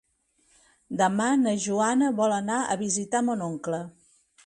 Demà na Joana vol anar a visitar mon oncle.